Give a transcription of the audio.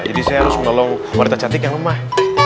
jadi saya harus menolong wanita cantik yang lemah